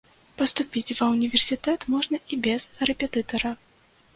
Паступіць ва ўніверсітэт можна і без рэпетытара.